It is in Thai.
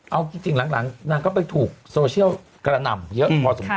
เอาจริงหลังนางก็ไปถูกโซเชียลกระหน่ำเยอะพอสมคว